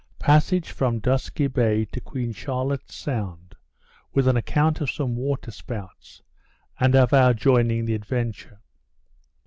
_Passage from Dusky Bay to Queen Charlottes Sound, with an Account of some Water Spouts, and of our joining the Adventure.